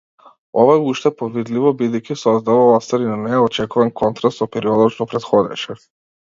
Ова е уште повидливо бидејќи создава остар и неочекуван контраст со периодот што претходеше.